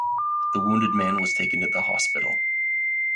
The wounded man was taken to the hospital.